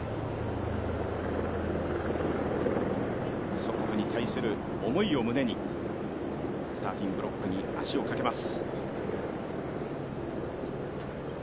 祖国に対する思いを胸にスターティングブロックに足をかけます。